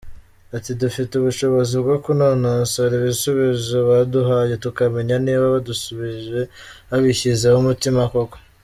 Ati “Dufite ubushobozi bwo kunonosora ibisubizo baduhaye tukamenya niba badusubije babishyizeho umutima koko.